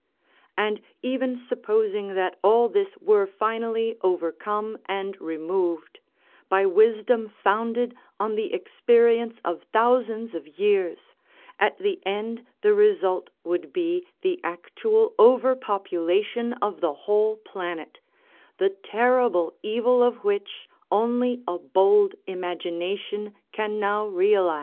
And even supposing that all this were finally overcome and removed, by wisdom founded on the experience of thousands of years, at the end the result would be the actual over population of the whole planet, the terrible evil of which only a bold imagination can now realise.